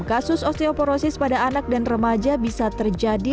kasus osteoporosis pada anak dan remaja bisa terjadi